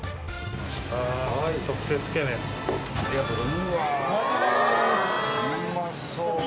うまそう